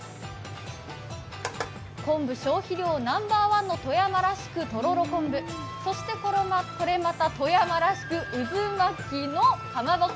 昆布消費量ナンバー１の富山らしくとろろ昆布、そしてこれまた富山らしくうずまきのかまぼこ